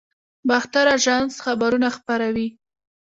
باختر اژانس خبرونه خپروي